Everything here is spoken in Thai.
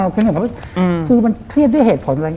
ก็เครียดเขามันเครียดด้วยเหตุผล